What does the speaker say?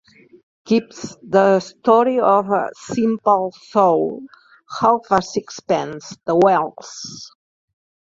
"Kipps: The Story of a Simple Soul", "Half a Sixpence" de Wells.